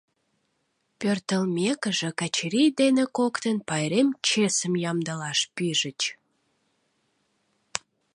Пӧртылмекыже Качырий дене коктын пайрем чесым ямдылаш пижыч.